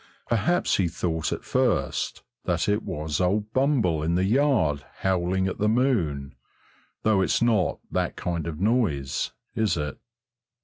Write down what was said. Perhaps he thought at first that it was old Bumble in the yard howling at the moon, though it's not that kind of noise, is it?